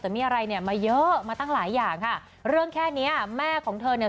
แต่มีอะไรเนี่ยมาเยอะมาตั้งหลายอย่างค่ะเรื่องแค่เนี้ยแม่ของเธอเนี่ย